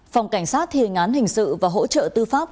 phòng cảnh sát hiền án hình sự và hỗ trợ tư pháp